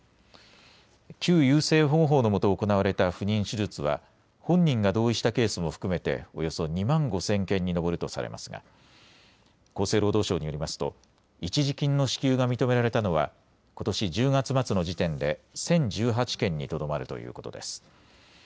旧優生保護法のもと行われた不妊手術は本人が同意したケースも含めておよそ２万５０００件に上るとされますが厚生労働省によりますと一時金の支給が認められたのはことし１０月末の時点で１０１８件にとどまるということです。